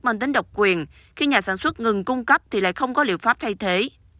mang tính độc quyền khi nhà sản xuất ngừng cung cấp thì lại không có liệu pháp thay thế